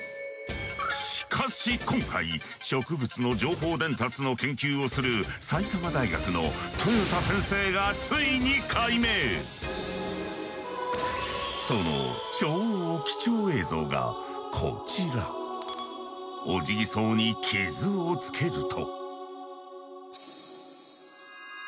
しかし今回植物の情報伝達の研究をする埼玉大学の豊田先生がその超貴重映像がこちら。オジギソウに傷をつけると。